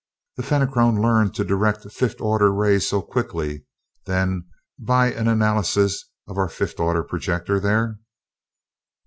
"The Fenachrone learned to direct fifth order rays so quickly, then, by an analysis of our fifth order projector there?"